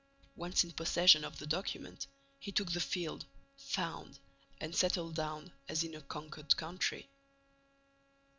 Once in possession of the document, he took the field, "found" and settled down as in a conquered country.